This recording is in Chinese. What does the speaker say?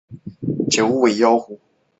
志村簇在郎兰兹纲领扮演重要地位。